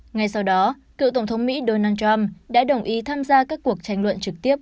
ngay sau đó cựu tổng thống mỹ donald trump đã đồng ý tham gia các cuộc tranh luận trực tiếp